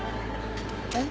えっ？